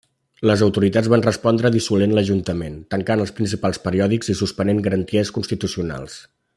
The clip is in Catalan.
Les autoritats van respondre dissolent l'ajuntament, tancant els principals periòdics i suspenent garanties constitucionals.